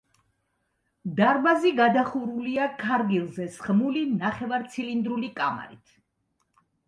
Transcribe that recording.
დარბაზი გადახურულია ქარგილზე სხმული, ნახევარცილინდრული კამარით.